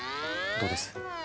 どうです？